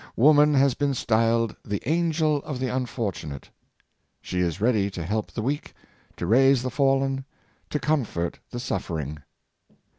Woman has been styled the angel of the unfortunate. She is ready to help the weak, to raise the fallen, to 560 Woman'^s Aff'ection, comfort the suffering.